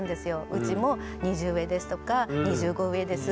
「うちも２０上です」とか「２５上です」